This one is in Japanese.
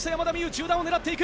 中段を狙っていく。